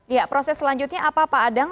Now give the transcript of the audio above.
ya proses selanjutnya apa pak adang